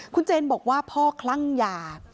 คุณเจนบอกว่าพ่อคลั่งยา